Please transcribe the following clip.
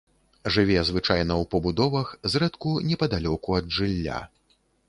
Жыве звычайна ў пабудовах, зрэдку непадалёку ад жылля.